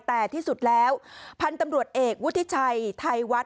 แต่ที่สุดแล้วพันธุ์ตำรวจเอกวุฒิชัยไทยวัด